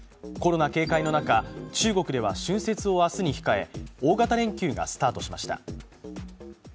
コロナ警戒の中、中国では春節を明日に控え、大型連休がスタートしました。